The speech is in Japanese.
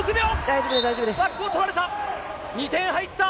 ２点入った。